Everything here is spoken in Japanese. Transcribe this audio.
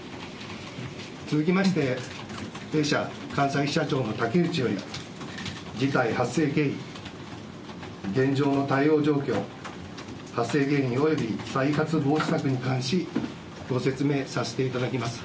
続きまして、弊社関西支社長のたけうちより、事態発生経緯、現状の対応状況、発生原因および再発防止策に関し、ご説明させていただきます。